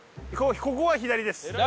ここは左です。